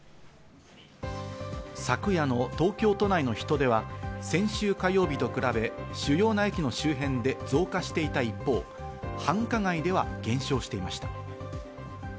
昨夜の東京都内の人出は先週火曜日と比べ、主要な駅の周辺で増加していた一方、繁華街では減少していました。